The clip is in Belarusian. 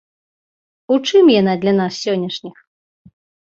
У чым яна для нас сённяшніх?